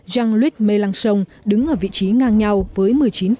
jean luc mélenchon đứng ở vị trí ngang nhau với một mươi chín